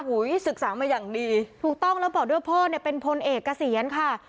ศึกษามาอย่างดีถูกต้องแล้วบอกด้วยพ่อเนี่ยเป็นพลเอกเกษียณค่ะ